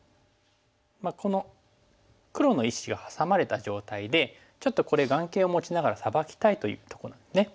この黒の１子がハサまれた状態でちょっとこれ眼形を持ちながらサバきたいというとこなんですね。